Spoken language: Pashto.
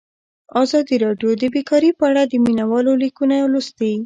ازادي راډیو د بیکاري په اړه د مینه والو لیکونه لوستي.